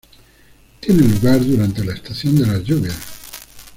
Tiene lugar durante la estación de las lluvias.